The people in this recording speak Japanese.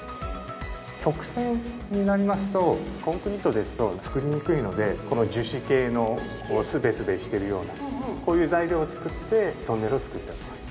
曲線になりますとコンクリートですと造りにくいのでこの樹脂系のこうスベスベしてるようなこういう材料を作ってトンネルを造っております。